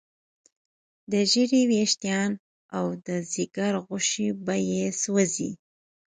د ږیرې ویښتان او د ځیګر غوښې به یې سوځي.